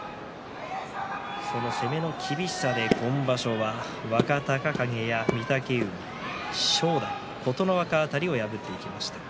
攻めの厳しさで今場所は若隆景、御嶽海、正代、琴ノ若辺りを破ってきました。